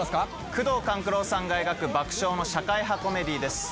宮藤官九郎さんが描く爆笑の社会派コメディーです。